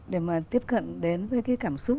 để mà tiếp cận đến với cái cảm xúc